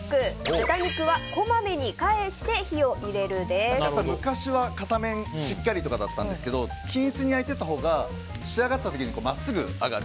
豚肉はこまめに返して昔は片面しっかりとかだったんですけど均一に焼いていったほうが仕上がった時に真っすぐなる。